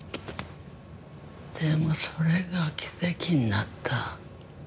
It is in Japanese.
でもそれが奇跡になった。